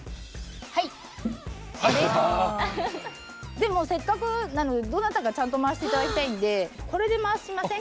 でもせっかくなのでどなたかちゃんと回していただきたいんでこれで回してみません？